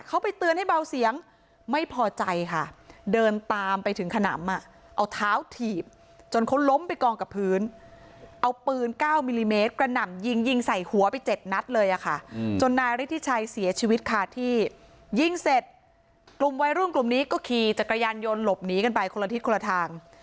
เอาปืน๙มิลลิเมตรกระหน่ำยิงยิงใส่หัวไปเจ็ดนัดเลยอ่ะค่ะจนนายฤทธิชัยเสียชีวิตค่าที่ยิ่งเสร็จกลุ่มวัยรุ่นกลุ่มนี้ก็ขี่จากกระยานยนต์หลบหนีกันไปคนละทิศคนละทาง